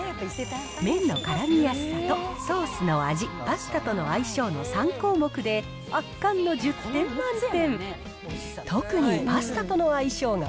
麺のからみやすさとソースの味、パスタとの相性の３項目で、圧巻の１０点満点。